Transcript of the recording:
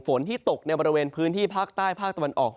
ฝนที่ตกในบริเวณพื้นที่ภาคใต้ภาคตะวันออก